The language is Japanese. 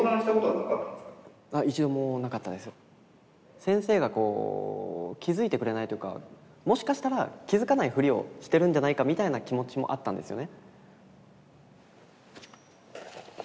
先生がこう気づいてくれないというかもしかしたら気づかないフリをしてるんじゃないかみたいな気持ちもあったんですよね。